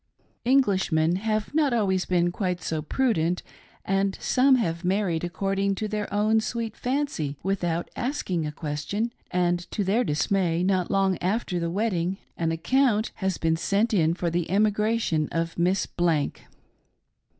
Englishmen have not always been quite so prudent, and some have married a<;cording to their own sweet fancy without asking a question, and to their dismay, not long after the wedding, an account has been sent in for the emigration of Miss Blank.